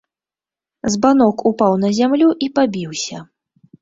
Збанок упаў на зямлю і пабіўся.